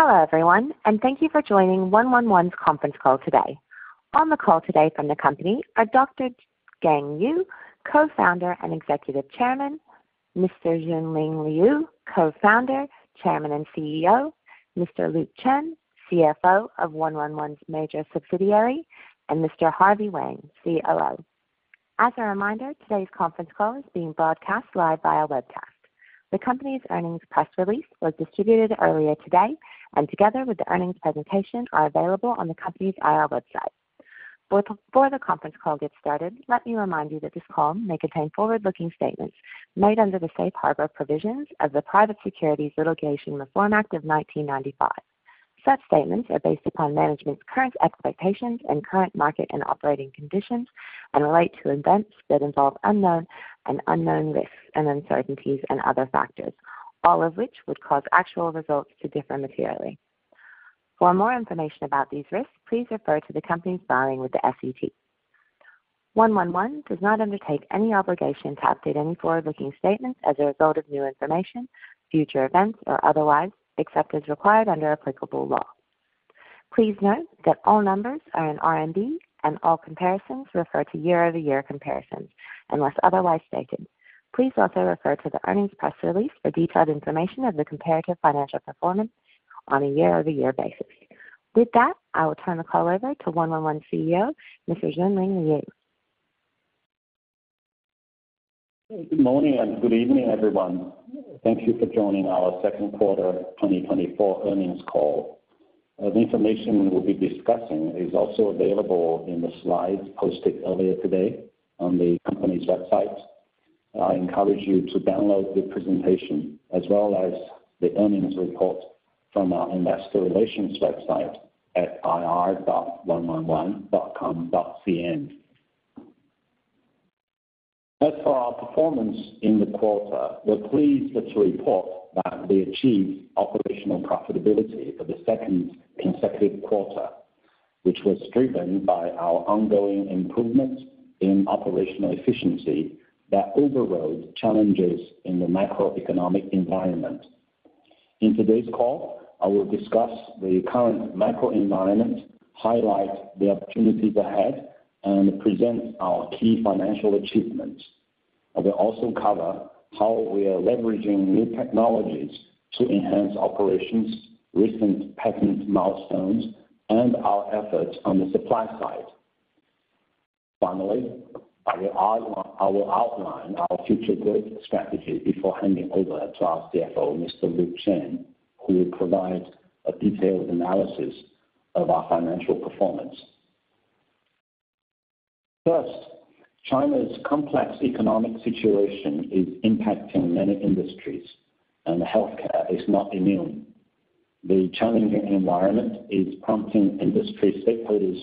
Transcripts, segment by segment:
Hello, everyone, and thank you for joining 111's conference call today. On the call today from the company are Dr. Gang Yu, Co-founder and Executive Chairman, Mr. Junling Liu, Co-founder, Chairman, and CEO, Mr. Luke Chen, CFO of 111's major subsidiary, and Mr. Haihui Wang, COO. As a reminder, today's conference call is being broadcast live via webcast. The company's earnings press release was distributed earlier today, and together with the earnings presentation, are available on the company's IR website. Before the conference call gets started, let me remind you that this call may contain forward-looking statements made under the Safe Harbor provisions of the Private Securities Litigation Reform Act of 1995. Such statements are based upon management's current expectations and current market and operating conditions and relate to events that involve known and unknown risks and uncertainties and other factors, all of which would cause actual results to differ materially. For more information about these risks, please refer to the company's filing with the SEC. 111 does not undertake any obligation to update any forward-looking statements as a result of new information, future events, or otherwise, except as required under applicable law. Please note that all numbers are in RMB and all comparisons refer to year-over-year comparisons, unless otherwise stated. Please also refer to the earnings press release for detailed information of the comparative financial performance on a year-over-year basis. With that, I will turn the call over to 111 CEO, Mr. Junling Liu. Good morning and good evening, everyone. Thank you for joining our second quarter 2024 earnings call. The information we will be discussing is also available in the slides posted earlier today on the company's website. I encourage you to download the presentation as well as the earnings report from our investor relations website at ir.111.com.cn. As for our performance in the quarter, we're pleased to report that we achieved operational profitability for the second consecutive quarter, which was driven by our ongoing improvement in operational efficiency that overrode challenges in the macroeconomic environment. In today's call, I will discuss the current macro environment, highlight the opportunities ahead, and present our key financial achievements. I will also cover how we are leveraging new technologies to enhance operations, recent patent milestones, and our efforts on the supply side. Finally, I will outline our future growth strategy before handing over to our CFO, Mr. Luke Chen, who will provide a detailed analysis of our financial performance. First, China's complex economic situation is impacting many industries, and healthcare is not immune. The challenging environment is prompting industry stakeholders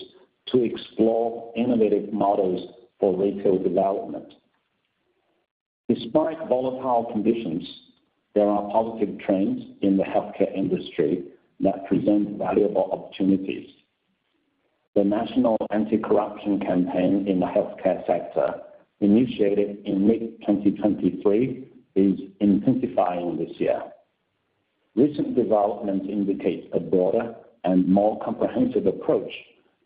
to explore innovative models for retail development. Despite volatile conditions, there are positive trends in the healthcare industry that present valuable opportunities. The National Anti-Corruption Campaign in the healthcare sector, initiated in mid-2023, is intensifying this year. Recent developments indicate a broader and more comprehensive approach,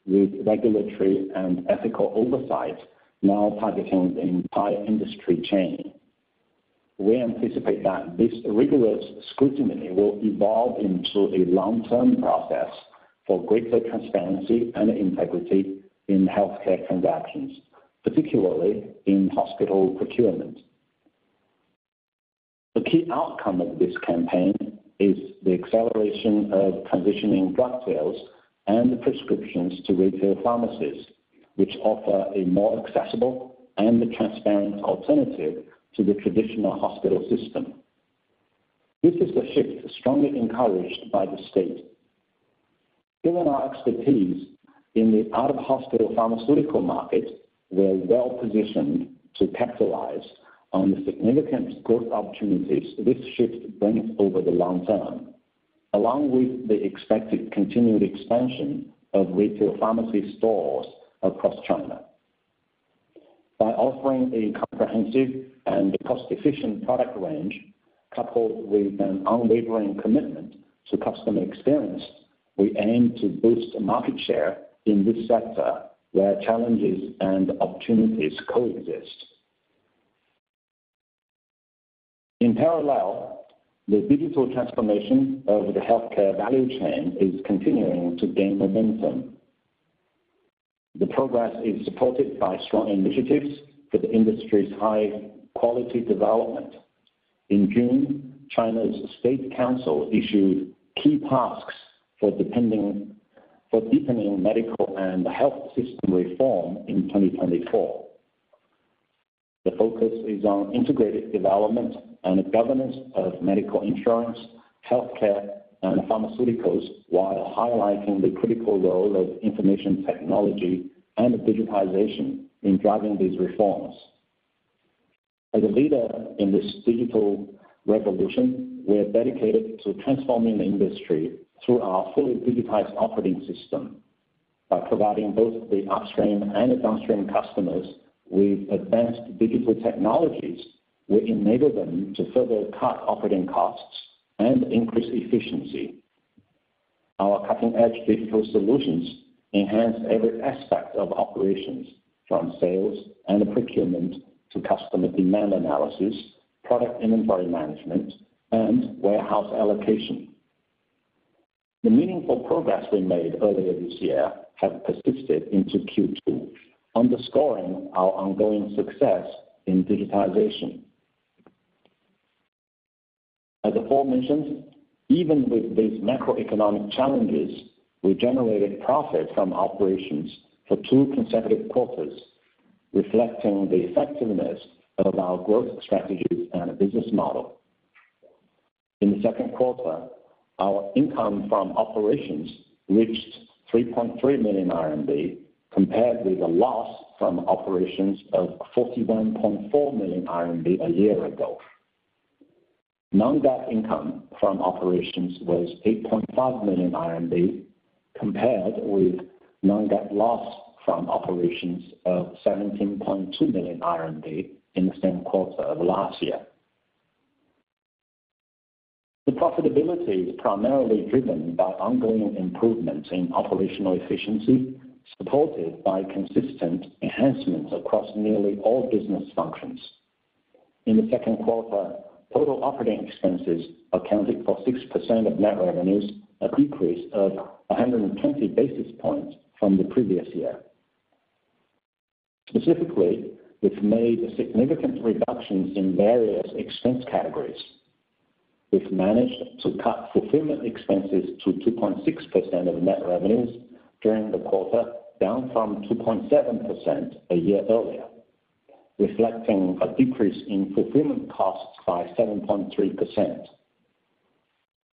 with regulatory and ethical oversight now targeting the entire industry chain. We anticipate that this rigorous scrutiny will evolve into a long-term process for greater transparency and integrity in healthcare transactions, particularly in hospital procurement. The key outcome of this campaign is the acceleration of transitioning drug sales and prescriptions to retail pharmacies, which offer a more accessible and transparent alternative to the traditional hospital system. This is a shift strongly encouraged by the state. Given our expertise in the out-of-hospital pharmaceutical market, we're well-positioned to capitalize on the significant growth opportunities this shift brings over the long term, along with the expected continued expansion of retail pharmacy stores across China. By offering a comprehensive and cost-efficient product range, coupled with an unwavering commitment to customer experience, we aim to boost market share in this sector, where challenges and opportunities coexist. In parallel, the digital transformation of the healthcare value chain is continuing to gain momentum. The progress is supported by strong initiatives for the industry's high-quality development. In June, China's State Council issued key tasks for deepening medical and health system reform in 2024. The focus is on integrated development and governance of medical insurance, healthcare, and pharmaceuticals, while highlighting the critical role of information technology and digitization in driving these reforms. As a leader in this digital revolution, we are dedicated to transforming the industry through our fully digitized operating system. By providing both the upstream and the downstream customers with advanced digital technologies, we enable them to further cut operating costs and increase efficiency. Our cutting-edge digital solutions enhance every aspect of operations, from sales and procurement, to customer demand analysis, product inventory management, and warehouse allocation. The meaningful progress we made earlier this year has persisted into Q2, underscoring our ongoing success in digitization. As aforementioned, even with these macroeconomic challenges, we generated profit from operations for two consecutive quarters, reflecting the effectiveness of our growth strategies and business model. In the second quarter, our income from operations reached 3.3 million RMB, compared with a loss from operations of 41.4 million RMB a year ago. Non-GAAP income from operations was 8.5 million RMB, compared with non-GAAP loss from operations of 17.2 million RMB in the same quarter of last year. The profitability is primarily driven by ongoing improvements in operational efficiency, supported by consistent enhancements across nearly all business functions. In the second quarter, total operating expenses accounted for 6% of net revenues, a decrease of 120 basis points from the previous year. Specifically, we've made significant reductions in various expense categories. We've managed to cut fulfillment expenses to 2.6% of net revenues during the quarter, down from 2.7% a year earlier, reflecting a decrease in fulfillment costs by 7.3%.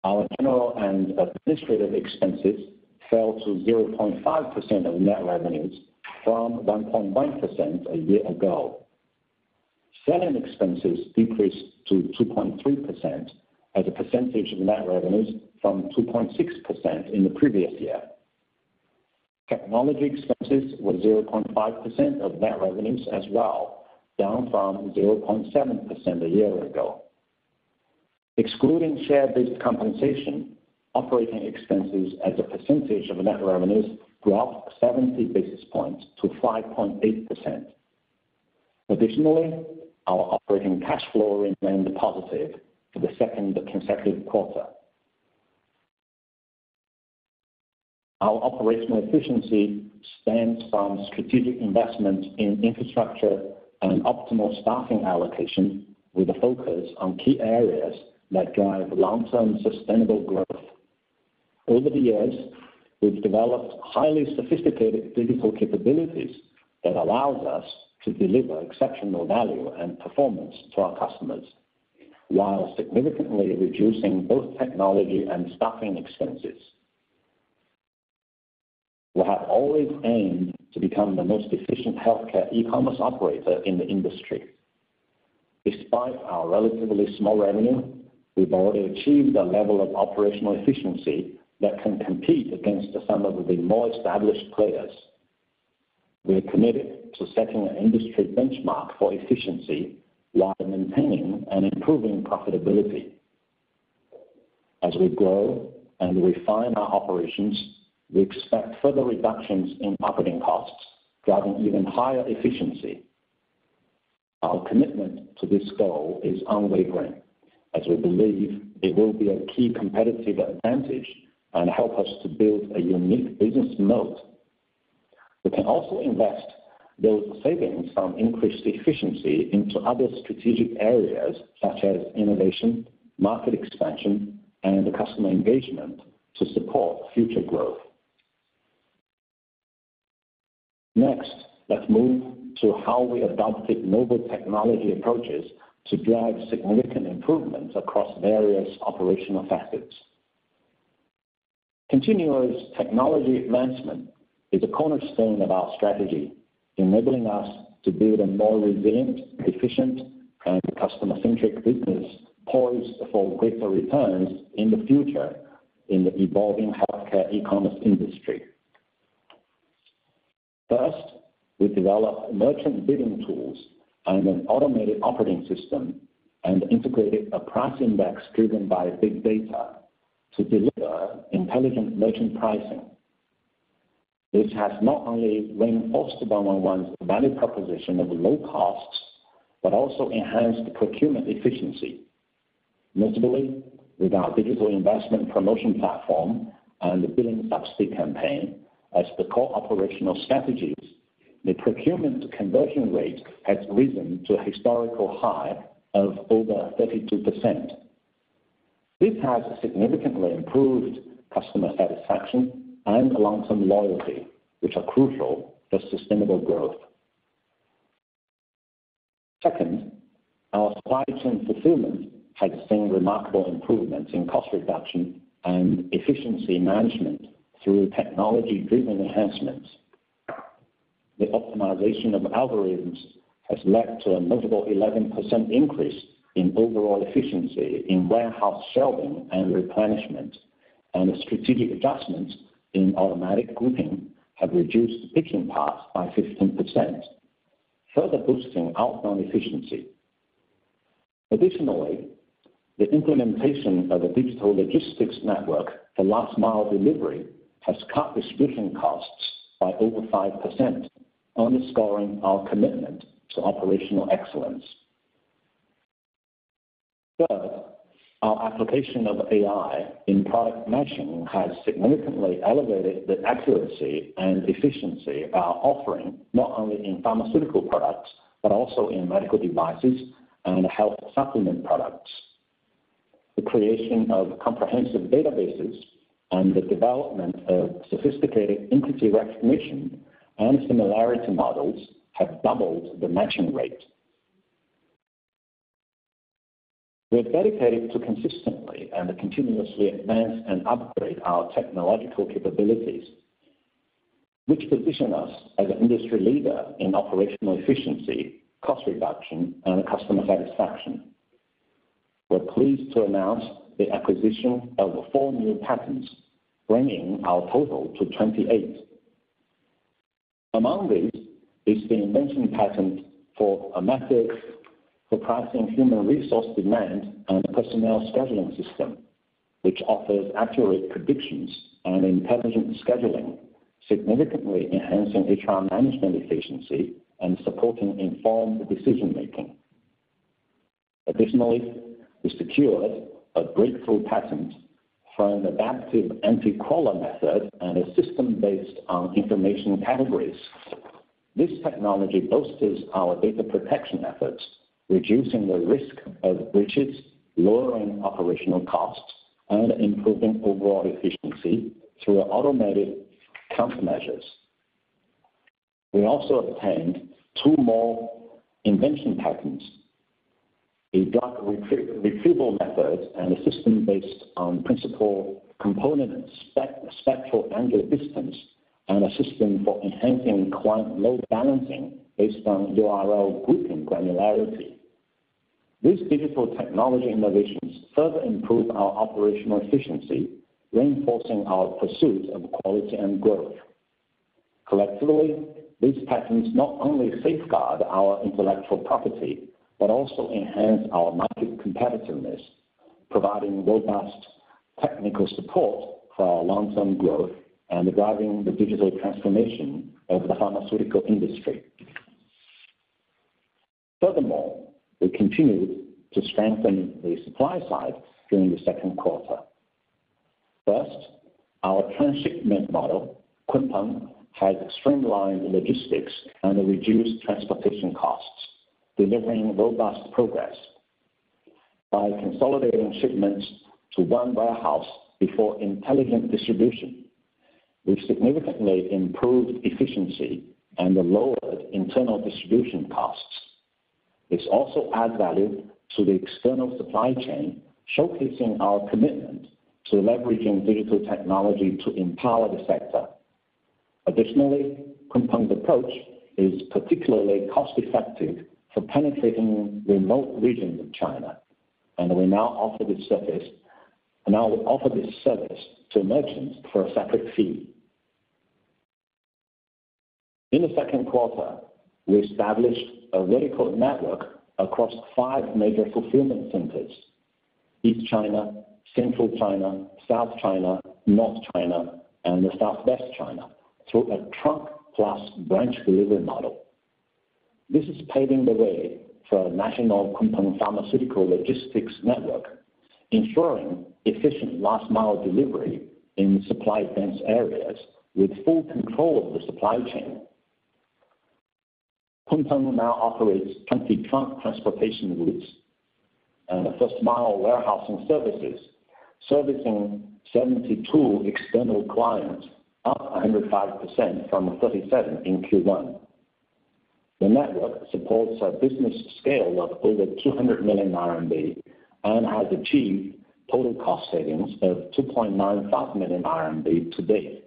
Our general and administrative expenses fell to 0.5% of net revenues from 1.1% a year ago. Selling expenses decreased to 2.3% as a percentage of net revenues from 2.6% in the previous year. Technology expenses were 0.5% of net revenues as well, down from 0.7% a year ago. Excluding share-based compensation, operating expenses as a percentage of net revenues dropped seventy basis points to 5.8%. Additionally, our operating cash flow remained positive for the second consecutive quarter. Our operational efficiency stems from strategic investment in infrastructure and optimal staffing allocation, with a focus on key areas that drive long-term sustainable growth. Over the years, we've developed highly sophisticated digital capabilities that allows us to deliver exceptional value and performance to our customers, while significantly reducing both technology and staffing expenses. We have always aimed to become the most efficient healthcare e-commerce operator in the industry. Despite our relatively small revenue, we've already achieved a level of operational efficiency that can compete against some of the more established players. We are committed to setting an industry benchmark for efficiency while maintaining and improving profitability. As we grow and refine our operations, we expect further reductions in operating costs, driving even higher efficiency. Our commitment to this goal is unwavering, as we believe it will be a key competitive advantage and help us to build a unique business moat. We can also invest those savings from increased efficiency into other strategic areas such as innovation, market expansion, and customer engagement to support future growth. Next, let's move to how we adopted novel technology approaches to drive significant improvements across various operational facets. Continuous technology advancement is a cornerstone of our strategy, enabling us to build a more resilient, efficient, and customer-centric business, poised for greater returns in the future in the evolving healthcare e-commerce industry. First, we developed merchant bidding tools and an automated operating system, and integrated a price index driven by big data to deliver intelligent merchant pricing. This has not only reinforced 111's value proposition of low costs, but also enhanced procurement efficiency. Notably, with our digital investment promotion platform and the Billion Subsidy Campaign as the core operational strategies, the procurement conversion rate has risen to a historical high of over 32%. This has significantly improved customer satisfaction and long-term loyalty, which are crucial for sustainable growth. Second, our supply chain fulfillment has seen remarkable improvements in cost reduction and efficiency management through technology-driven enhancements. The optimization of algorithms has led to a notable 11% increase in overall efficiency in warehouse shelving and replenishment, and strategic adjustments in automatic grouping have reduced picking paths by 15%, further boosting outbound efficiency. Additionally, the implementation of a digital logistics network for last-mile delivery has cut distribution costs by over 5%, underscoring our commitment to operational excellence. Third, our application of AI in product matching has significantly elevated the accuracy and efficiency of our offering, not only in pharmaceutical products, but also in medical devices and health supplement products. The creation of comprehensive databases and the development of sophisticated entity recognition and similarity models have doubled the matching rate. We are dedicated to consistently and continuously advance and upgrade our technological capabilities, which position us as an industry leader in operational efficiency, cost reduction, and customer satisfaction. We're pleased to announce the acquisition of four new patents, bringing our total to 28. Among these is the invention patent for a method for pricing human resource demand and personnel scheduling system, which offers accurate predictions and intelligent scheduling, significantly enhancing HR management efficiency and supporting informed decision-making. Additionally, we secured a breakthrough patent for an adaptive anti-crawler method and a system based on information categories. This technology bolsters our data protection efforts, reducing the risk of breaches, lowering operational costs, and improving overall efficiency through automated countermeasures. We also obtained two more invention patents: a drug retrieval method, and a system based on principal component spectral angle distance, and a system for enhancing client load balancing based on URL grouping granularity. These digital technology innovations further improve our operational efficiency, reinforcing our pursuit of quality and growth. Collectively, these patents not only safeguard our intellectual property, but also enhance our market competitiveness, providing robust technical support for our long-term growth and driving the digital transformation of the pharmaceutical industry. Furthermore, we continued to strengthen the supply side during the second quarter. First, our transshipment model, Kunpeng, has streamlined logistics and reduced transportation costs, delivering robust progress. By consolidating shipments to one warehouse before intelligent distribution, we've significantly improved efficiency and lowered internal distribution costs. This also adds value to the external supply chain, showcasing our commitment to leveraging digital technology to empower the sector. Additionally, Kunpeng's approach is particularly cost-effective for penetrating remote regions of China, and we now offer this service to merchants for a separate fee. In the second quarter, we established a vertical network across five major fulfillment centers: East China, Central China, South China, North China, and Southwest China, through a truck plus branch delivery model. This is paving the way for a national Kunpeng pharmaceutical logistics network, ensuring efficient last-mile delivery in supply-dense areas with full control of the supply chain. Kunpeng now operates 20 truck transportation routes and first-mile warehousing services, servicing 72 external clients, up 105% from 37 in Q1. The network supports a business scale of over 200 million RMB and has achieved total cost savings of 2.95 million RMB to date.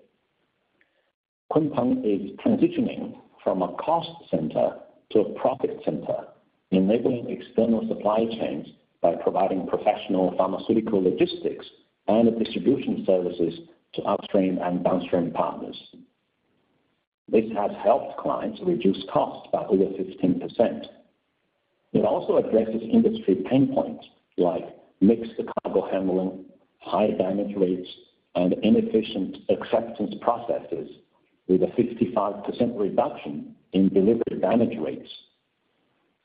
Kunpeng is transitioning from a cost center to a profit center, enabling external supply chains by providing professional pharmaceutical logistics and distribution services to upstream and downstream partners. This has helped clients reduce costs by over 15%. It also addresses industry pain points, like mixed cargo handling, high damage rates, and inefficient acceptance processes, with a 55% reduction in delivered damage rates.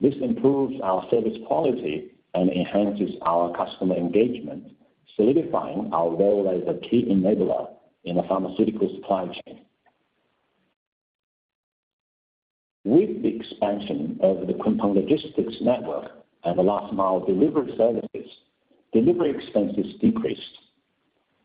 This improves our service quality and enhances our customer engagement, solidifying our role as a key enabler in the pharmaceutical supply chain. With the expansion of the Kunpeng logistics network and the last-mile delivery services, delivery expenses decreased,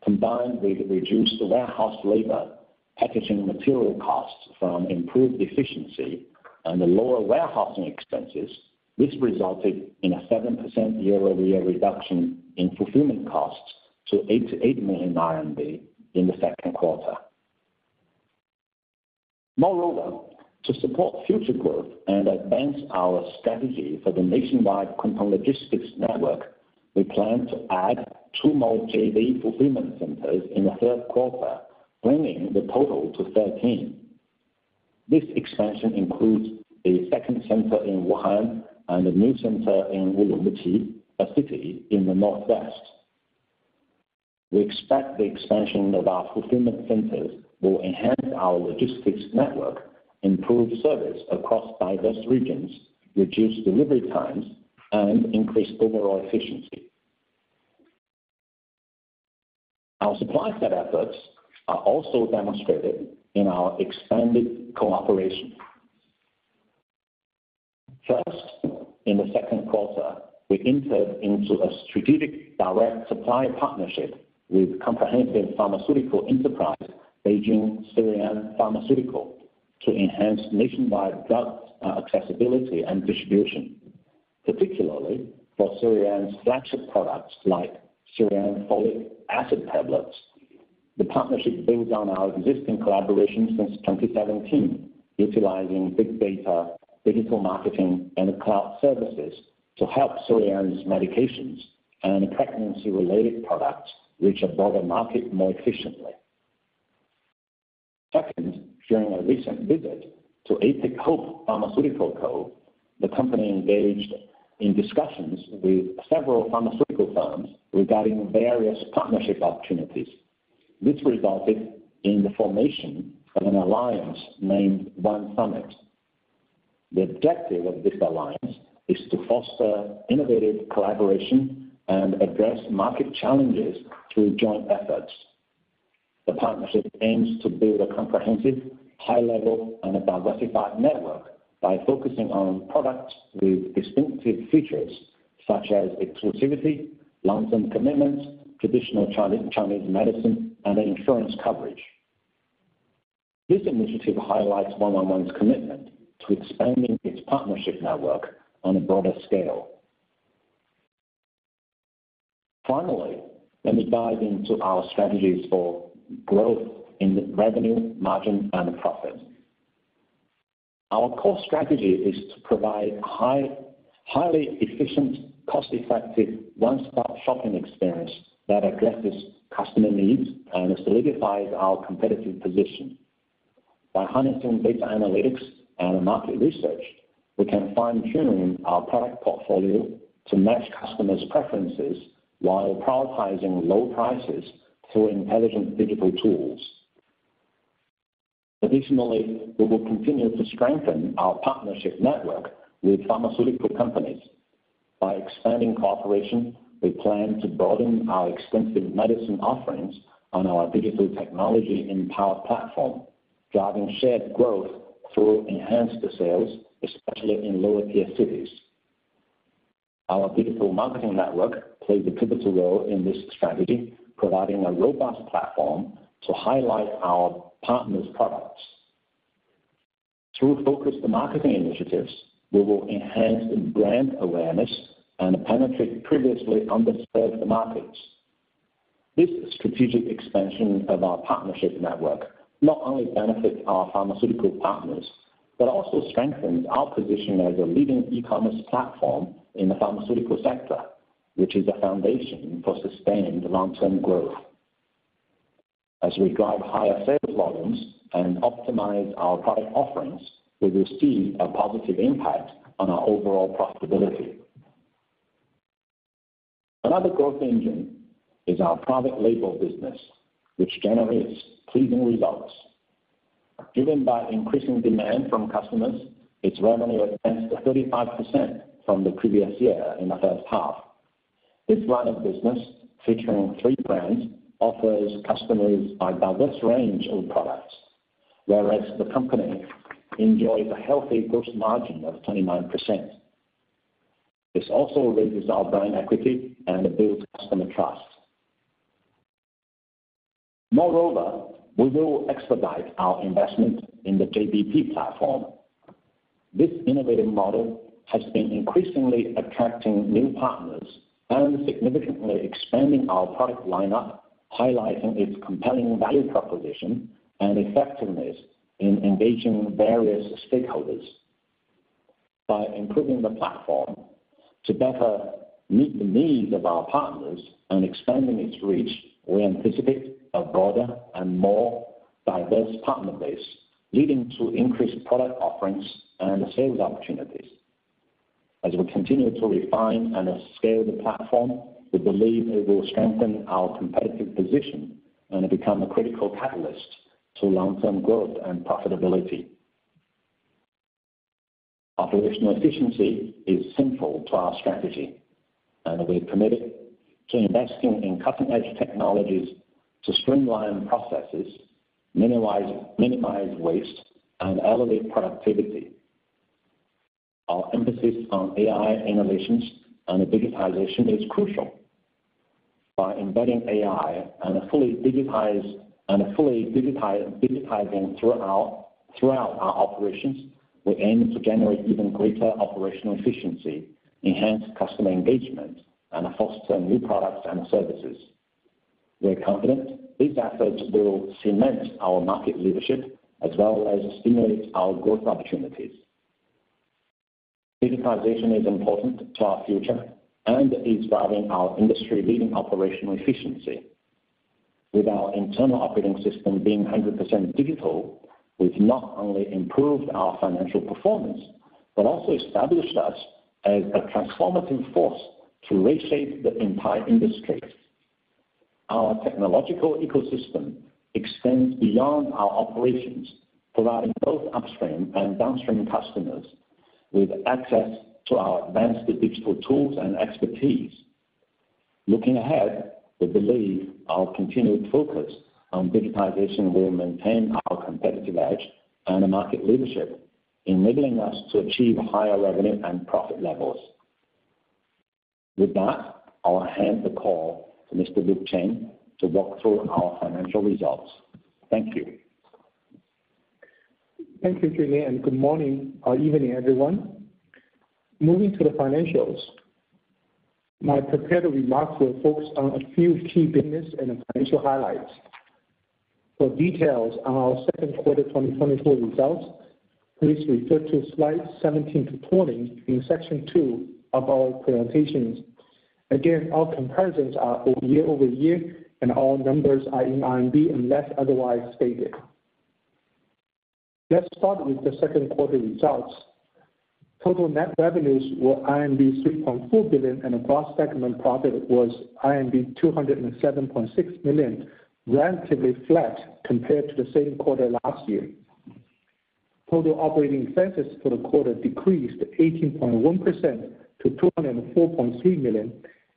combined with reduced warehouse labor, packaging material costs from improved efficiency, and the lower warehousing expenses, this resulted in a 7% year-over-year reduction in fulfillment costs to 88 million RMB in the second quarter. Moreover, to support future growth and advance our strategy for the nationwide Kunpeng logistics network, we plan to add two more JV fulfillment centers in the third quarter, bringing the total to thirteen. This expansion includes a second center in Wuhan and a new center in Urumqi, a city in the northwest. We expect the expansion of our fulfillment centers will enhance our logistics network, improve service across diverse regions, reduce delivery times, and increase overall efficiency. Our supply side efforts are also demonstrated in our expanded cooperation. First, in the second quarter, we entered into a strategic direct supply partnership with comprehensive pharmaceutical enterprise, Beijing Scrianen Pharmaceutical, to enhance nationwide drug accessibility and distribution, particularly for Scrianen's flagship products like Scrianen Folic Acid Tablets. The partnership builds on our existing collaboration since 2017, utilizing big data, digital marketing, and cloud services to help Scrianen's medications and pregnancy-related products reach a broader market more efficiently. Second, during a recent visit to Apeloa Pharmaceutical Co, the company engaged in discussions with several pharmaceutical firms regarding various partnership opportunities. This resulted in the formation of an alliance named One Summit. The objective of this alliance is to foster innovative collaboration and address market challenges through joint efforts. The partnership aims to build a comprehensive, high level, and a diversified network by focusing on products with distinctive features such as exclusivity, long-term commitments, traditional Chinese medicine, and insurance coverage. This initiative highlights 111's commitment to expanding its partnership network on a broader scale. Finally, let me dive into our strategies for growth in the revenue, margin, and profit. Our core strategy is to provide highly efficient, cost-effective, one-stop shopping experience that addresses customer needs and solidifies our competitive position. By harnessing data analytics and market research, we can fine-tune our product portfolio to match customers' preferences while prioritizing low prices through intelligent digital tools. Additionally, we will continue to strengthen our partnership network with pharmaceutical companies. By expanding cooperation, we plan to broaden our extensive medicine offerings on our digital technology-empowered platform, driving shared growth through enhanced sales, especially in lower-tier cities. Our digital marketing network plays a pivotal role in this strategy, providing a robust platform to highlight our partners' products. Through focused marketing initiatives, we will enhance the brand awareness and penetrate previously underserved markets. This strategic expansion of our partnership network not only benefits our pharmaceutical partners, but also strengthens our position as a leading e-commerce platform in the pharmaceutical sector, which is the foundation for sustained long-term growth. As we drive higher sales volumes and optimize our product offerings, we receive a positive impact on our overall profitability. Another growth engine is our private label business, which generates pleasing results. Driven by increasing demand from customers, its revenue advanced to 35% from the previous year in the first half. This line of business, featuring three brands, offers customers a diverse range of products, whereas the company enjoys a healthy gross margin of 29%. This also raises our brand equity and builds customer trust. Moreover, we will expedite our investment in the JBP platform. This innovative model has been increasingly attracting new partners and significantly expanding our product lineup, highlighting its compelling value proposition and effectiveness in engaging various stakeholders. By improving the platform to better meet the needs of our partners and expanding its reach, we anticipate a broader and more diverse partner base, leading to increased product offerings and sales opportunities. As we continue to refine and scale the platform, we believe it will strengthen our competitive position and become a critical catalyst to long-term growth and profitability. Operational efficiency is central to our strategy, and we're committed to investing in cutting-edge technologies to streamline processes, minimize waste, and elevate productivity. Our emphasis on AI innovations and digitization is crucial. By embedding AI and a fully digitized and digitizing throughout...... Throughout our operations, we aim to generate even greater operational efficiency, enhance customer engagement, and foster new products and services. We are confident these efforts will cement our market leadership as well as stimulate our growth opportunities. Digitalization is important to our future and is driving our industry-leading operational efficiency. With our internal operating system being 100% digital, we've not only improved our financial performance, but also established us as a transformative force to reshape the entire industry. Our technological ecosystem extends beyond our operations, providing both upstream and downstream customers with access to our advanced digital tools and expertise. Looking ahead, we believe our continued focus on digitization will maintain our competitive edge and market leadership, enabling us to achieve higher revenue and profit levels. With that, I'll hand the call to Mr. Luke Chen to walk through our financial results. Thank you. Thank you, Junling, and good morning or evening, everyone. Moving to the financials, my prepared remarks will focus on a few key business and financial highlights. For details on our second quarter 2024 results, please refer to slides 17 to 20 in section two of our presentations. Again, all comparisons are year-over-year, and all numbers are in RMB, unless otherwise stated. Let's start with the second quarter results. Total net revenues were 3.4 billion, and a gross segment profit was 207.6 million, relatively flat compared to the same quarter last year. Total operating expenses for the quarter decreased 18.1% to 204.3 million.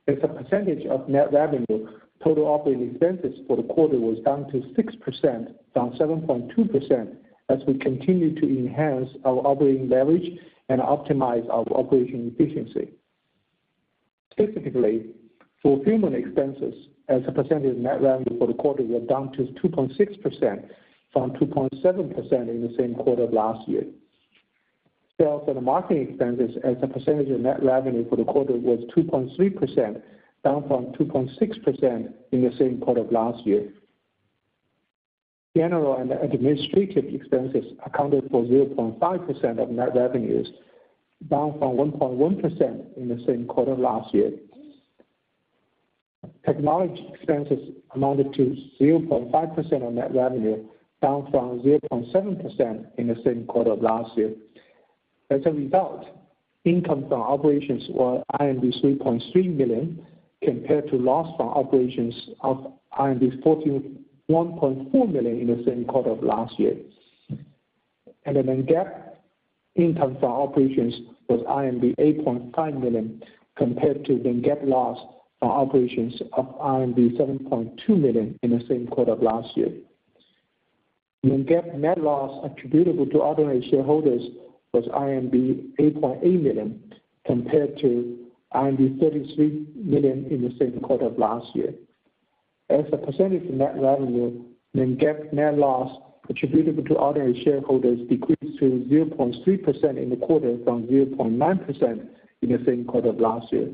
As a percentage of net revenue, total operating expenses for the quarter was down to 6%, down 7.2%, as we continue to enhance our operating leverage and optimize our operation efficiency. Specifically, fulfillment expenses as a percentage of net revenue for the quarter were down to 2.6% from 2.7% in the same quarter of last year. Sales and marketing expenses as a percentage of net revenue for the quarter was 2.3%, down from 2.6% in the same quarter of last year. General and administrative expenses accounted for 0.5% of net revenues, down from 1.1% in the same quarter last year. Technology expenses amounted to 0.5% of net revenue, down from 0.7% in the same quarter of last year. As a result, income from operations were 3.3 million, compared to loss from operations of 1.4 million in the same quarter of last year. And the non-GAAP income from operations was RMB 8.5 million, compared to non-GAAP loss from operations of RMB 7.2 million in the same quarter of last year. Non-GAAP net loss attributable to ordinary shareholders was 8.8 million, compared to 33 million in the same quarter of last year. As a percentage of net revenue, non-GAAP net loss attributable to ordinary shareholders decreased to 0.3% in the quarter, from 0.9% in the same quarter of last year.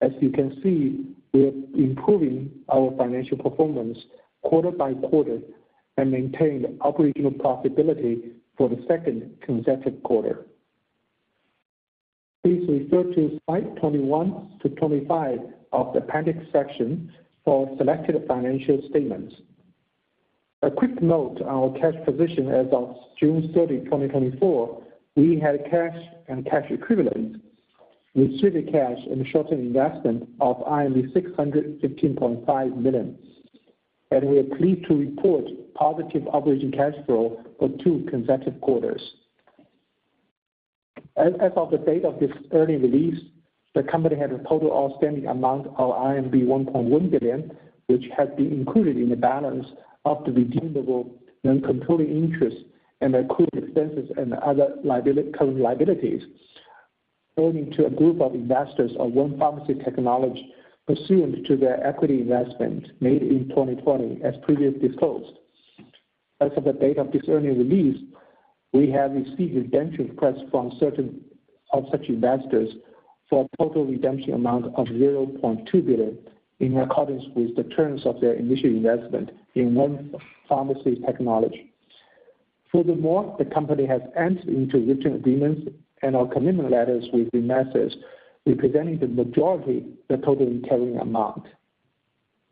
As you can see, we are improving our financial performance quarter-by-quarter and maintained operational profitability for the second consecutive quarter. Please refer to slides 21-25 of the appendix section for selected financial statements. A quick note on our cash position. As of June 30, 2024, we had cash and cash equivalents, restricted cash, and short-term investments of 615.5 million, and we are pleased to report positive operating cash flow for two consecutive quarters. As of the date of this earnings release, the company had a total outstanding amount of RMB 1.1 billion, which has been included in the balance of the redeemable non-controlling interest and accrued expenses and other current liabilities, owing to a group of investors of 1 Pharmacy Technology, pursuant to their equity investment made in 2020, as previously disclosed. As of the date of this earnings release, we have received redemption requests from certain of such investors for a total redemption amount of 0.2 billion, in accordance with the terms of their initial investment in 1 Pharmacy Technology. Furthermore, the company has entered into written agreements and commitment letters with investors, representing the majority of the total carrying amount.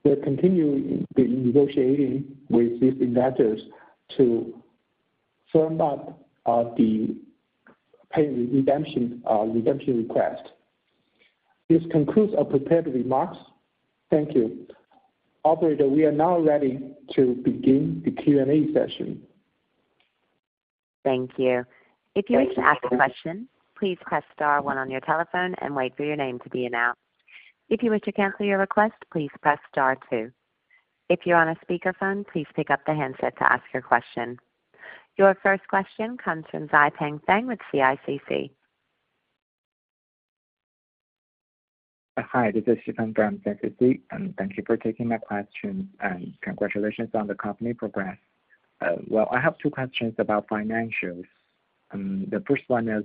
We're continuing in negotiating with these investors to firm up the payment redemption redemption request. This concludes our prepared remarks. Thank you. Operator, we are now ready to begin the Q&A session. Thank you. If you would like to ask a question, please press star one on your telephone and wait for your name to be announced. If you wish to cancel your request, please press star two. If you're on a speakerphone, please pick up the handset to ask your question. Your first question comes from Xipeng Feng with CICC. Hi, this is Xipeng from CICC, and thank you for taking my question, and congratulations on the company progress. Well, I have two questions about financials. The first one is,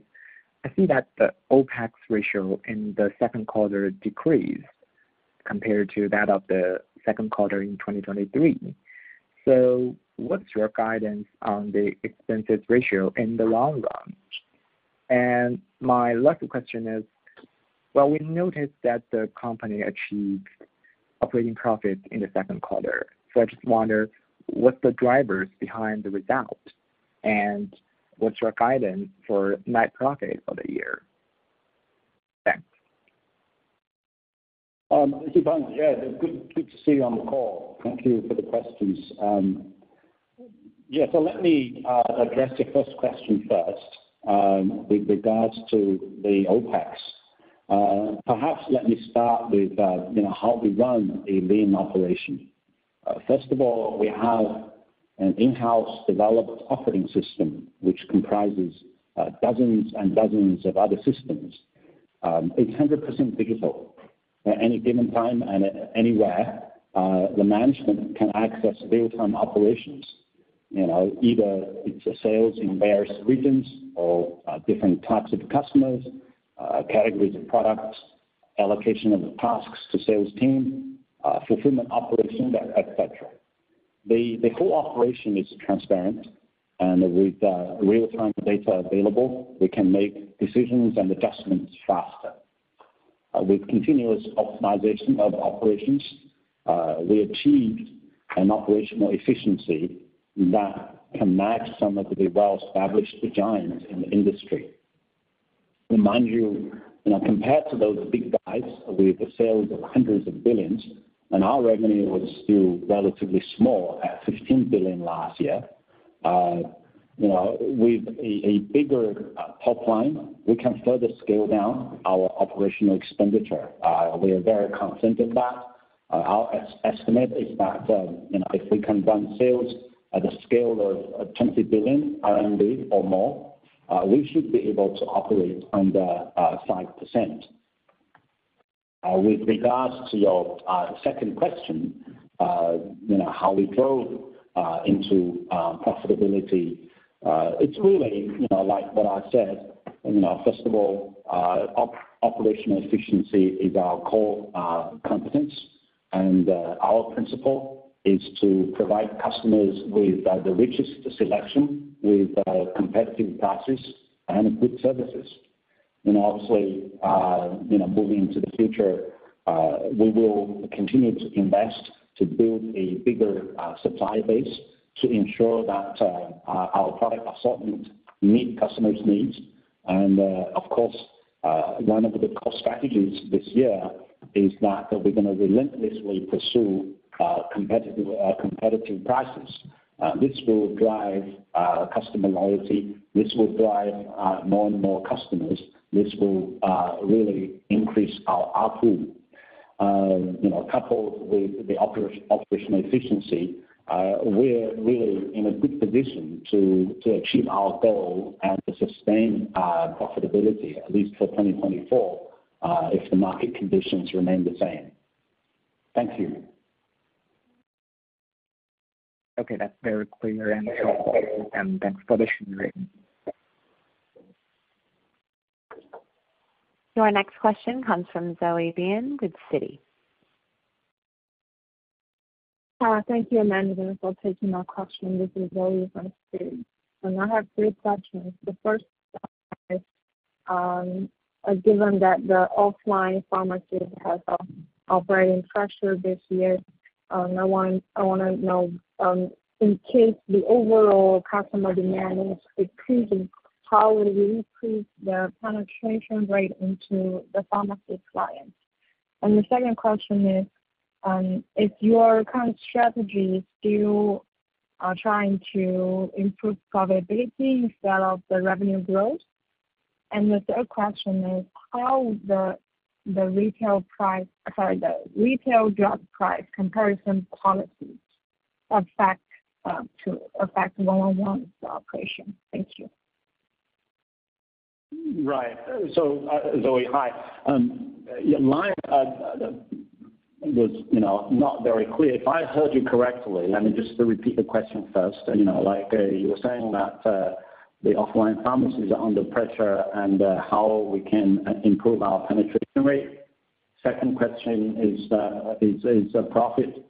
I see that the OpEx ratio in the second quarter decreased compared to that of the second quarter in 2023. So what's your guidance on the expenses ratio in the long run? And my last question is, well, we noticed that the company achieved operating profit in the second quarter, so I just wonder, what's the drivers behind the result? And what's your guidance for net profit for the year? Thanks. Xipeng, yeah, good, good to see you on the call. Thank you for the questions. Yeah, so let me address the first question first, with regards to the OpEx. Perhaps let me start with you know, how we run a lean operation. First of all, we have an in-house developed operating system, which comprises dozens and dozens of other systems. It's 100% digital. At any given time and anywhere, the management can access real-time operations, you know, either it's a sales in various regions or different types of customers, categories of products, allocation of tasks to sales team, fulfillment operations, et cetera. The whole operation is transparent, and with real-time data available, we can make decisions and adjustments faster. With continuous optimization of operations, we achieved an operational efficiency that can match some of the well-established giants in the industry. Remind you, you know, compared to those big guys with the sales of hundreds of billions, and our revenue was still relatively small at 15 billion last year. You know, with a bigger top line, we can further scale down our operational expenditure. We are very confident in that. Our estimate is that, you know, if we can run sales at the scale of 20 billion RMB or more, we should be able to operate under 5%. With regards to your second question, you know, how we grow into profitability, it's really, you know, like what I said, you know, first of all, operational efficiency is our core competence, and our principle is to provide customers with the richest selection, with competitive prices and good services. And obviously, you know, moving into the future, we will continue to invest to build a bigger supply base to ensure that our product assortment meet customers' needs. And, of course, one of the core strategies this year is that we're gonna relentlessly pursue competitive prices. This will drive customer loyalty, this will drive more and more customers, this will really increase our output. You know, coupled with the operational efficiency, we're really in a good position to achieve our goal and to sustain profitability, at least for 2024, if the market conditions remain the same. Thank you. Okay, that's very clear and thanks for the sharing. So our next question comes from Zoe Bian, Citi. Thank you, Amanda, for taking my question. This is Zoe from Citi, and I have three questions. The first, given that the offline pharmacy has operating pressure this year, I wanna know, in case the overall customer demand is decreasing, how will you increase the penetration rate into the pharmacy clients? And the second question is, is your current strategy still trying to improve profitability instead of the revenue growth? And the third question is, how the retail price, sorry, the retail drug price comparison policies affect 111, the operation? Thank you. Right. So, Zoe, hi. Yeah, my was, you know, not very clear. If I heard you correctly, let me just repeat the question first. You know, like, you were saying that the offline pharmacies are under pressure and how we can improve our penetration rate. Second question is, is profit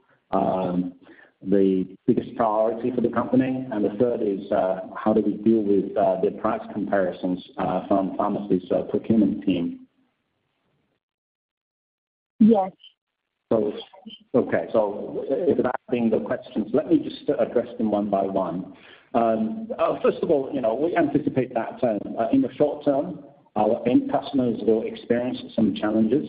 the biggest priority for the company, and the third is, how do we deal with the price comparisons from pharmacy's procurement team? Yes. Okay. Without being the questions, let me just address them one by one. First of all, you know, we anticipate that in the short term, our end customers will experience some challenges,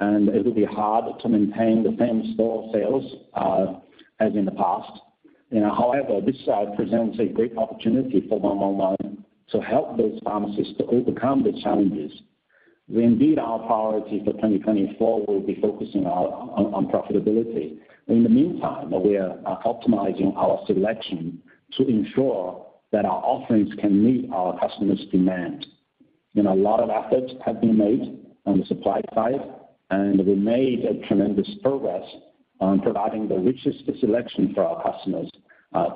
and it will be hard to maintain the same store sales as in the past. You know, however, this side presents a great opportunity for 111 to help those pharmacies to overcome the challenges. We indeed, our priority for 2024 will be focusing on profitability. In the meantime, we are optimizing our selection to ensure that our offerings can meet our customers' demand. You know, a lot of efforts have been made on the supply side, and we made a tremendous progress on providing the richest selection for our customers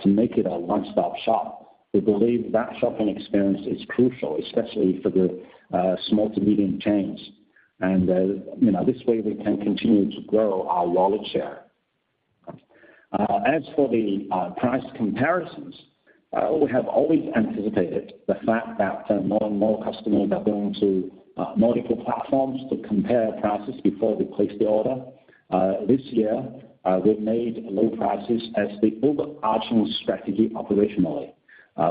to make it a one-stop shop. We believe that shopping experience is crucial, especially for the small to medium chains, and you know, this way we can continue to grow our wallet share. As for the price comparisons, we have always anticipated the fact that more and more customers are going to multiple platforms to compare prices before they place the order. This year, we've made low prices as the overarching strategy operationally.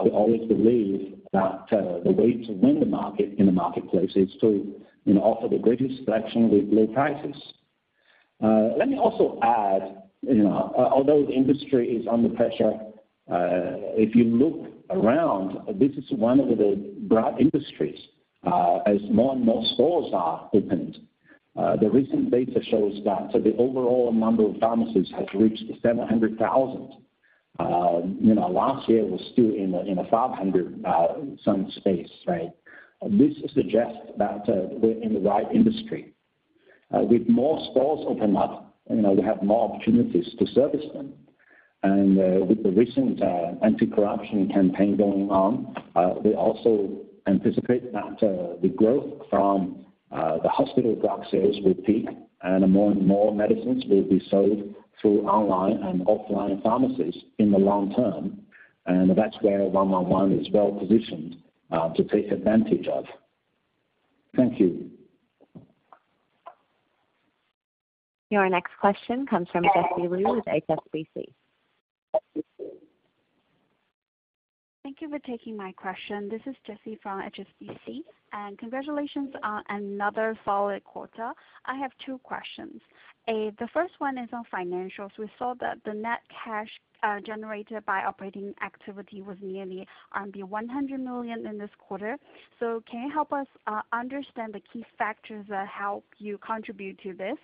We always believe that the way to win the market in the marketplace is to, you know, offer the greatest selection with low prices. Let me also add, you know, although the industry is under pressure, if you look around, this is one of the bright industries. As more and more stores are opened, the recent data shows that the overall number of pharmacies has reached 700,000. You know, last year was still in the, in the 500,000, some space, right? This suggests that, we're in the right industry. With more stores open up, you know, we have more opportunities to service them. And, with the recent, anti-corruption campaign going on, we also anticipate that, the growth from, the hospital drug sales will peak, and more and more medicines will be sold through online and offline pharmacies in the long term. And that's where 111 is well positioned, to take advantage of. Thank you. Your next question comes from Jessie Lu with HSBC. Thank you for taking my question. This is Jessie from HSBC, and congratulations on another solid quarter. I have two questions. A, the first one is on financials. We saw that the net cash generated by operating activity was nearly RMB 100 million in this quarter. So can you help us understand the key factors that help you contribute to this?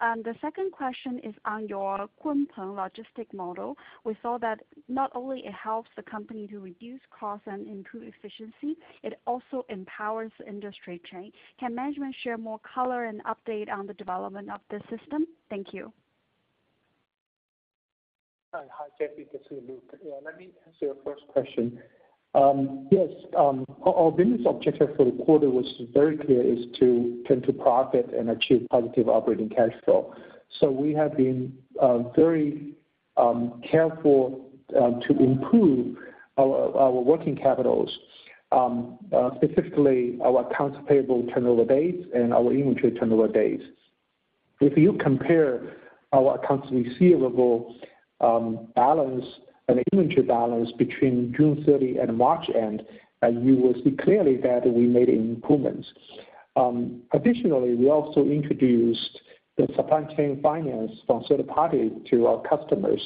And the second question is on your Kunpeng logistics model. We saw that not only it helps the company to reduce costs and improve efficiency, it also empowers the industry chain. Can management share more color and update on the development of this system? Thank you. Hi, hi, Jessie. This is Luke. Yeah, let me answer your first question. Yes, our business objective for the quarter was very clear, is to turn to profit and achieve positive operating cash flow. So we have been very careful to improve our working capitals, specifically our accounts payable turnover days and our inventory turnover days. If you compare our accounts receivable balance and inventory balance between June 30 and March end, you will see clearly that we made improvements. Additionally, we also introduced the supply chain finance from third party to our customers,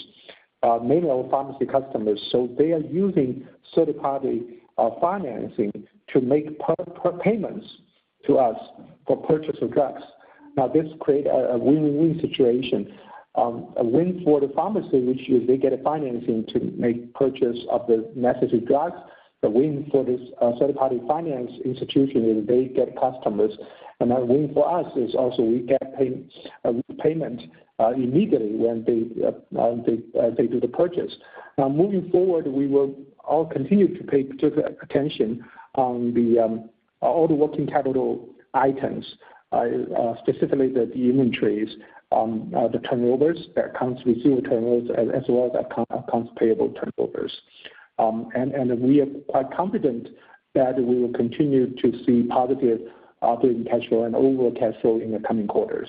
mainly our pharmacy customers. So they are using third-party financing to make prepayments to us for purchase of drugs. Now, this create a win-win situation. A win for the pharmacy, which is they get a financing to make purchase of the necessary drugs. The win for this, third party finance institution is they get customers. Another win for us is also we get paid, payment, immediately when they do the purchase. Now, moving forward, we will all continue to pay particular attention on the all the working capital items, specifically the inventories, the turnovers, the accounts receivable turnovers, as well as accounts payable turnovers. And we are quite confident that we will continue to see positive operating cash flow and overall cash flow in the coming quarters.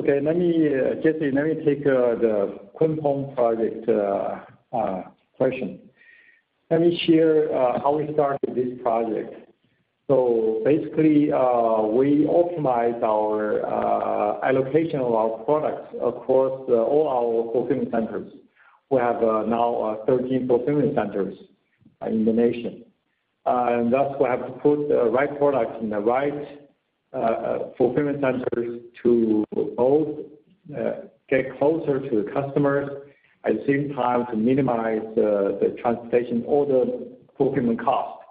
Okay, let me, Jessie, let me take, the Kunpeng project, question. Let me share, how we started this project. So basically, we optimize our allocation of our products across all our fulfillment centers. We have now 13 fulfillment centers in the nation. And thus, we have to put the right products in the right fulfillment centers to both get closer to the customers, at the same time, to minimize the transportation or the fulfillment cost.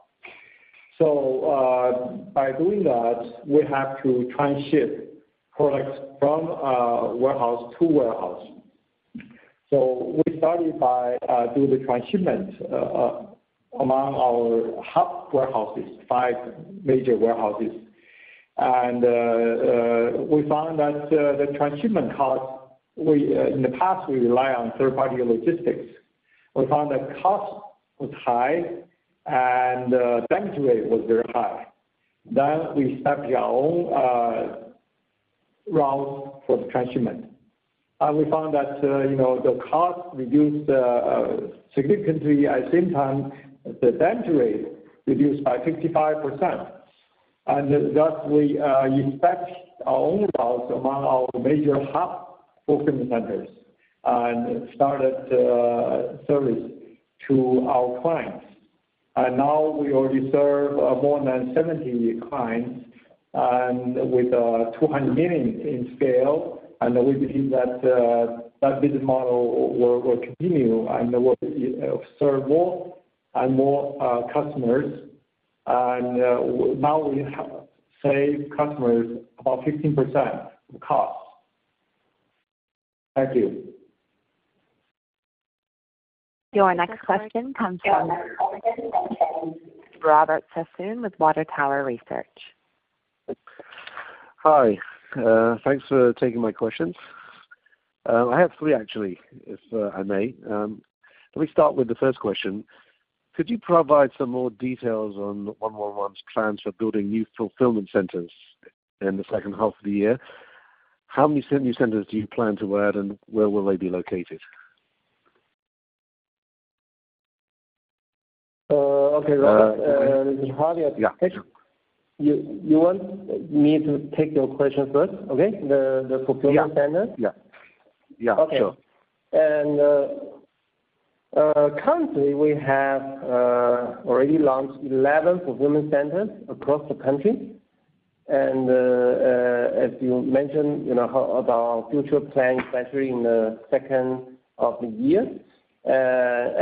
So, by doing that, we have to transship products from warehouse to warehouse. So we started by doing the transshipment among our hub warehouses, five major warehouses. And we found that the transshipment cost, in the past, we rely on third-party logistics. We found that cost was high and damage rate was very high. Then we established our own route for the transshipment. And we found that, you know, the cost reduced significantly, at the same time, the damage rate reduced by 55%. And thus, we inspect our own routes among our major hub fulfillment centers and started service to our clients. And now we already serve more than 70 clients and with 200 million in scale, and we believe that that business model will continue and will-... serve more and more customers. And now we have save customers about 15% of the cost. Thank you. Your next question comes from Robert Sassoon, with Water Tower Research. Hi, thanks for taking my questions. I have three actually, if I may. Let me start with the first question. Could you provide some more details on 111's plans for building new fulfillment centers in the second half of the year? How many new centers do you plan to add, and where will they be located? Okay, Robert, how do you- Yeah. You want me to take your question first? Okay. The fulfillment center. Yeah. Yeah. Yeah, sure. Okay. And currently, we have already launched eleven fulfillment centers across the country. And as you mentioned, you know, about our future plans, especially in the second half of the year.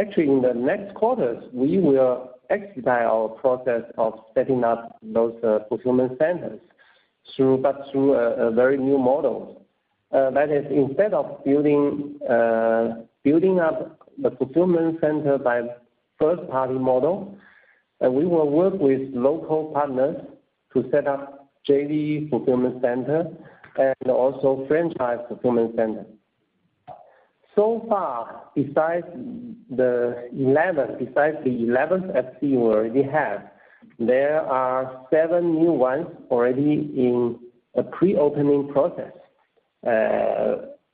Actually, in the next quarters, we will expedite our process of setting up those fulfillment centers through a very new model. That is, instead of building up the fulfillment center by third-party model, we will work with local partners to set up JV fulfillment center and also franchise fulfillment center. So far, besides the 11 FC we already have, there are seven new ones already in a pre-opening process.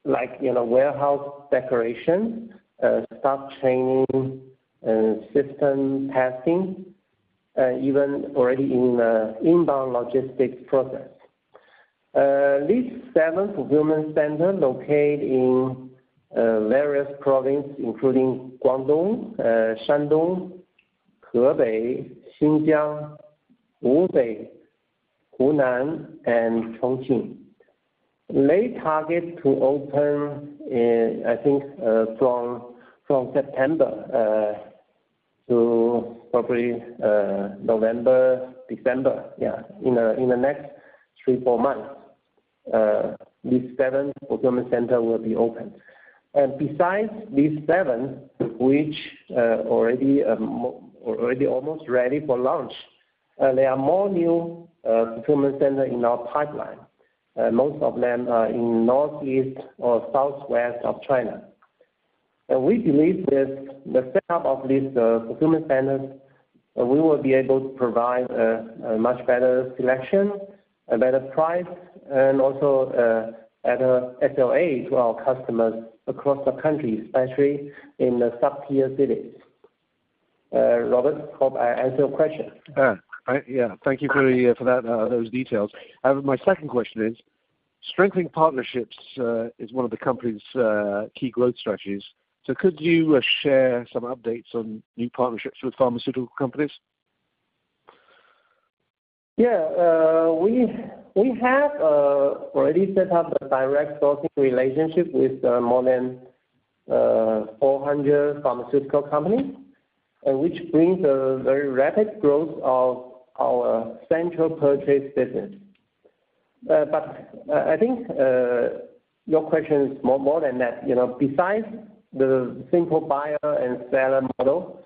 Like, you know, warehouse decoration, staff training, system testing, even already in inbound logistics process. These seven fulfillment centers located in various province, including Guangdong, Shandong, Hebei, Xinjiang, Hubei, Hunan, and Chongqing. They target to open in, I think, from September to probably November, December. Yeah, in the next three, four months, these seven fulfillment center will be open. And besides these seven, which already almost ready for launch, there are more new fulfillment center in our pipeline. Most of them are in northeast or southwest of China. And we believe that the setup of these fulfillment centers, we will be able to provide a much better selection, a better price, and also better SLA to our customers across the country, especially in the sub-tier cities. Robert, hope I answered your question. Yeah, thank you very for that, those details. My second question is, strengthening partnerships is one of the company's key growth strategies. So could you share some updates on new partnerships with pharmaceutical companies? Yeah, we have already set up a direct sourcing relationship with more than 400 pharmaceutical companies, which brings a very rapid growth of our central purchase business, but I think your question is more than that. You know, besides the simple buyer and seller model,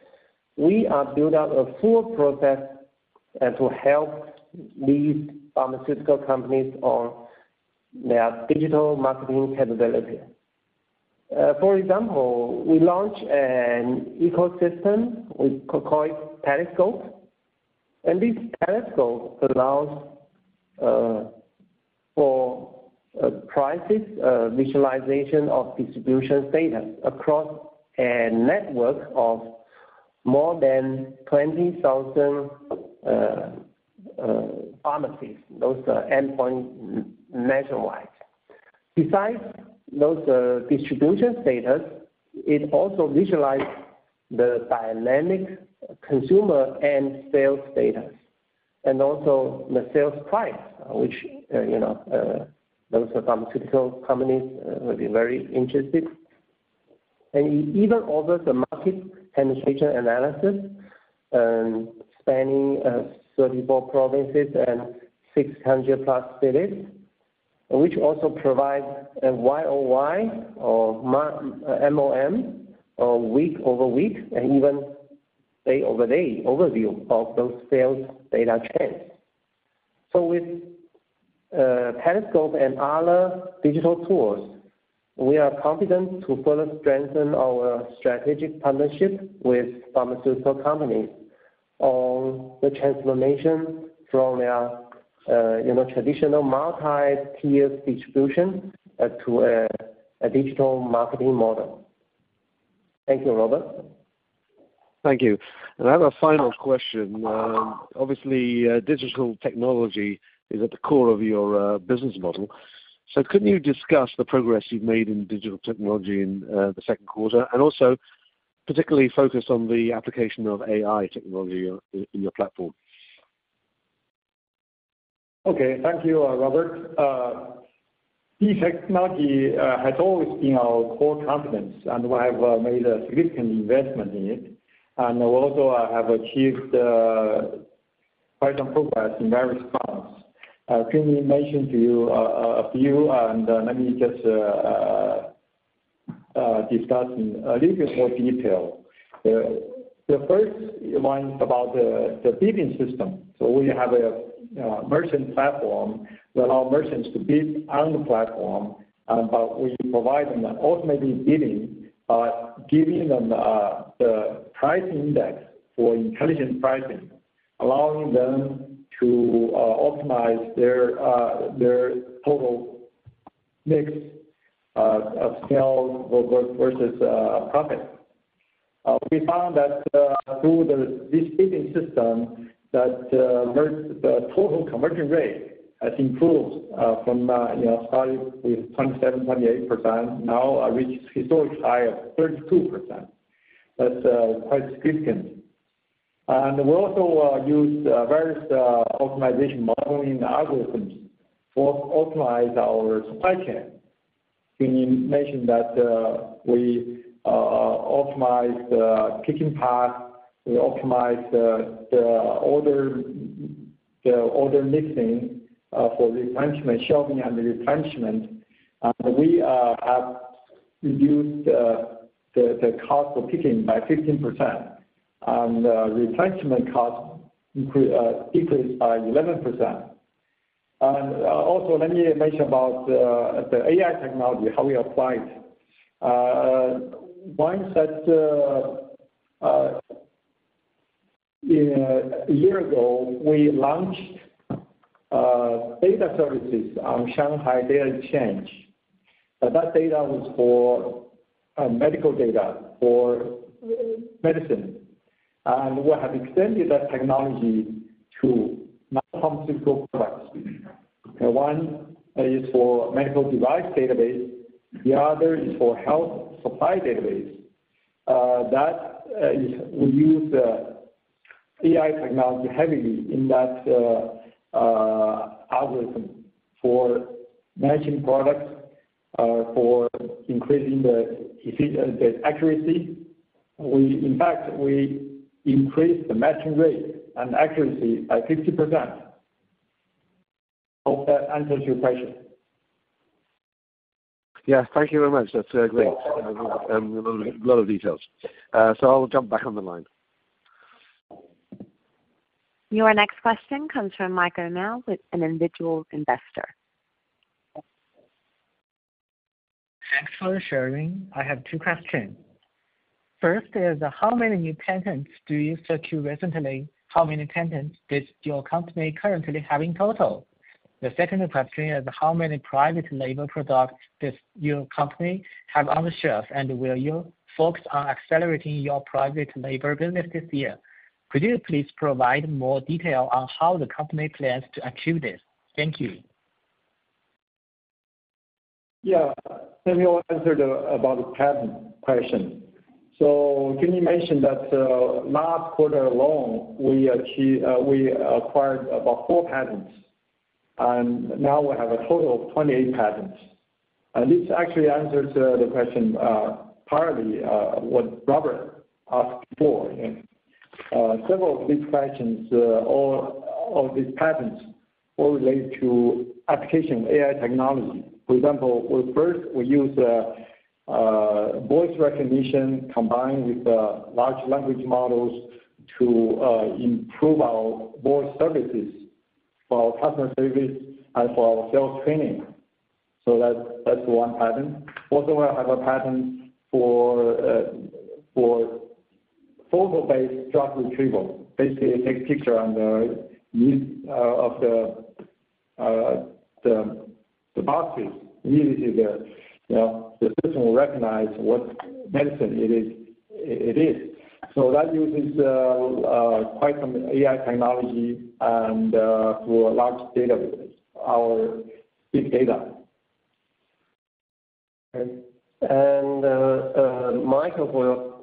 we are building out a full process to help these pharmaceutical companies on their digital marketing capability. For example, we launched an ecosystem we call Periscope, and this Periscope allows for price visualization of distribution data across a network of more than 20,000 pharmacies, those are endpoints nationwide. Besides those distribution status, it also visualize the dynamic consumer and sales status, and also the sales price, which you know those pharmaceutical companies will be very interested. It even offers a market penetration analysis spanning 34 provinces and 600+ cities, which also provides a YoY or MoM, or week-over-week, and even day-over-day overview of those sales data trends. With Periscope and other digital tools, we are confident to further strengthen our strategic partnership with pharmaceutical companies on the transformation from their you know traditional multi-tier distribution to a digital marketing model. Thank you, Robert. Thank you. And I have a final question. Obviously, digital technology is at the core of your business model. So could you discuss the progress you've made in digital technology in the second quarter, and also particularly focus on the application of AI technology in your platform? Okay. Thank you, Robert. Key technology has always been our core competence, and we have made a significant investment in it, and we also have achieved quite some progress in various parts. Kenny mentioned to you a few, and let me just discuss in a little bit more detail. The first one is about the bidding system. So we have a merchant platform that allow merchants to bid on the platform, and but we provide them an automated bidding, giving them the price index for intelligent pricing, allowing them to optimize their their total mix of sales versus profit. We found that through the this bidding system, that the total conversion rate has improved from you know started with 27%-28%, now reached historically high of 32%. That's quite significant. And we also used various optimization modeling algorithms for optimize our supply chain. We mentioned that we optimize the picking path, we optimize the order, the order mixing for replenishment, shelving, and the replenishment. And we have reduced the cost for picking by 15%, and the replenishment cost decreased by 11%. And also, let me mention about the AI technology, how we apply it. One such, a year ago, we launched data services on Shanghai Data Exchange. But that data was for medical data, for medicine, and we have extended that technology to non-prescription products. One is for medical device database, the other is for health supply database. We use AI technology heavily in that algorithm for matching products for increasing the accuracy. We, in fact, we increased the matching rate and accuracy by 50%. Hope that answers your question. Yeah, thank you very much. That's great. A lot of details. So I'll jump back on the line. Your next question comes from Michael Niu, with an individual investor. Thanks for sharing. I have two questions. First is, how many new patents do you secure recently? How many patents does your company currently have in total? The second question is, how many private label products does your company have on the shelf, and will you focus on accelerating your private label business this year? Could you please provide more detail on how the company plans to achieve this? Thank you. Yeah. Gang Yu answered about the patent question. So Junling mentioned that, last quarter alone, we acquired about four patents, and now we have a total of 28 patents. And this actually answers the question partly what Robert asked for. Several of these patents all relate to application of AI technology. For example, we use voice recognition combined with large language models to improve our bot services for our customer service and for our sales training. So that's one patent. Also, we have a patent for photo-based drug retrieval. Basically, it takes a picture of the boxes. Usually, you know, the system will recognize what medicine it is. So that uses quite some AI technology and through a large database, our big data. Michael, for your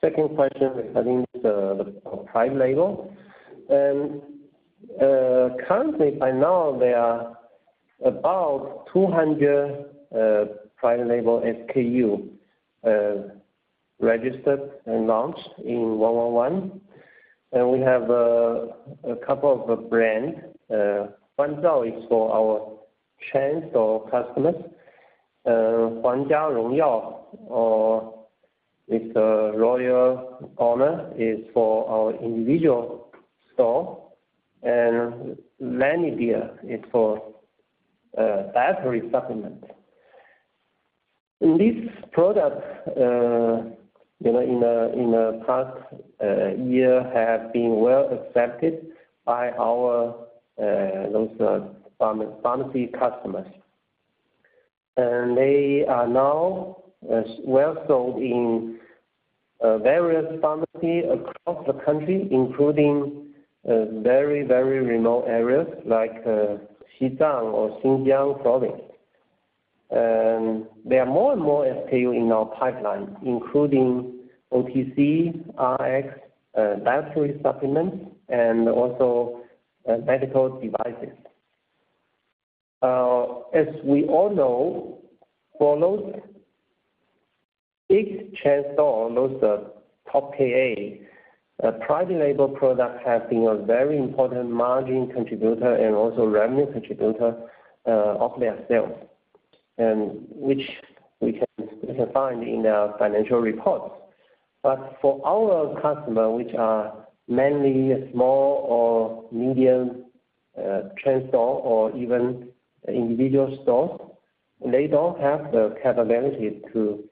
second question regarding the private label. Currently, by now, there are about 200 private label SKUs registered and launched in 111. And we have a couple of brands. Yifangzao is for our chain customers. Huangjia Rongyao, or Royal Honor, is for our individual store. And Lanyedie is for dietary supplement. And these products, you know, in the past year, have been well accepted by our those pharmacy customers. And they are now as well sold in various pharmacies across the country, including very remote areas like Xizang or Xinjiang province. There are more and more SKUs in our pipeline, including OTC, Rx, dietary supplements, and also medical devices. As we all know, for those big chain store, those top KA private label products have been a very important margin contributor and also revenue contributor of their sales, and which we can find in our financial reports. But for our customer, which are mainly small or medium chain store or even individual store, they don't have the capability to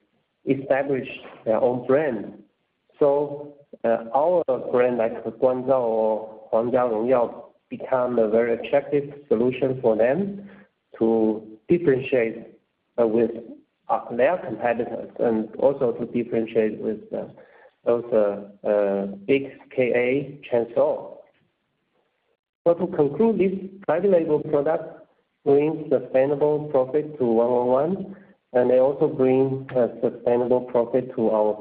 establish their own brand. So our brand, like Yifangzao or Huangjia Rongyao, become a very attractive solution for them to differentiate with their competitors and also to differentiate with those big KA chain store. So to conclude, this private label product brings sustainable profit to 111, and they also bring a sustainable profit to our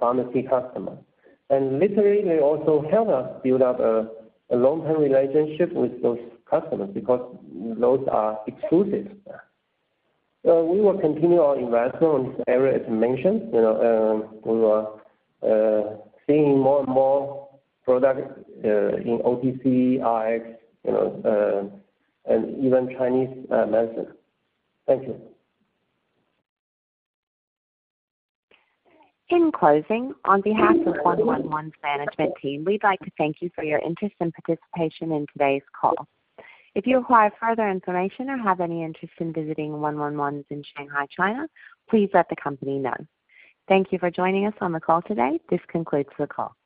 pharmacy customer. Literally, they also help us build up a long-term relationship with those customers because those are exclusive. We will continue our investment on this area, as I mentioned. You know, we are seeing more and more product in OTC, Rx, you know, and even Chinese medicine. Thank you. In closing, on behalf of 111's management team, we'd like to thank you for your interest and participation in today's call. If you require further information or have any interest in visiting 111's in Shanghai, China, please let the company know. Thank you for joining us on the call today. This concludes the call.